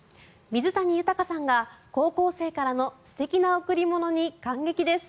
水谷豊さんが高校生からの素敵な贈り物に感激です。